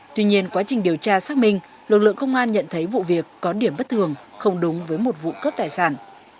tuy nhiên quá trình điều tra xác minh lực lượng công an nhận thấy vụ việc có điểm bất thường không đúng với một vụ cướp tài sản